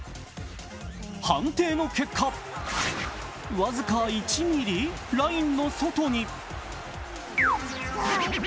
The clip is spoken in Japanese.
判定の結果、僅か１ｍｍ、ラインの外に。